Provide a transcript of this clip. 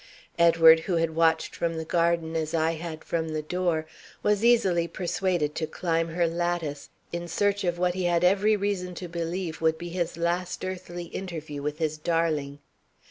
Edward, who had watched from the garden as I had from the door, was easily persuaded to climb her lattice in search of what he had every reason to believe would be his last earthly interview with his darling.